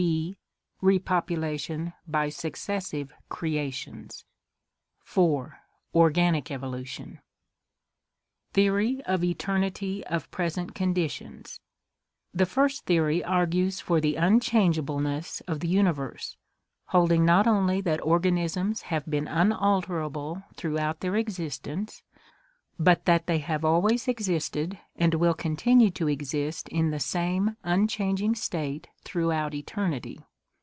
b. Repopulation by successive creations. 4. Organic Evolution. Theory of Eternity of Present Conditions The first theory argues for the unchangeableness of the universe, holding not only that organisms have been unalterable throughout their existence, but that they have always existed and will continue to exist in the same unchanging state throughout eternity.